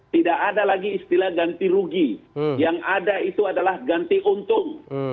tidak ada lagi istilah ganti rugi yang ada itu adalah ganti untung